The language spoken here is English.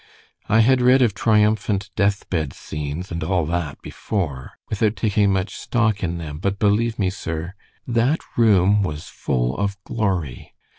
"I had read of triumphant death bed scenes, and all that before, without taking much stock in them, but believe me, sir, that room was full of glory.